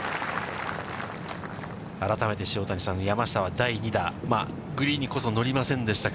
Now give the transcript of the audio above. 改めて塩谷さん、山下は第２打、グリーンにこそ乗りませんでした